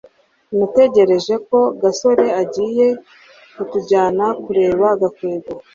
natekereje ko gasore agiye kutujyana kureba gakwego